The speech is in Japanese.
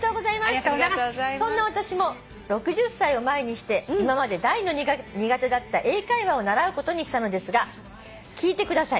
「そんな私も６０歳を前にして今まで大の苦手だった英会話を習うことにしたのですが聞いてください」